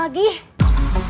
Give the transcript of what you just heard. gak ada yang ngasih suh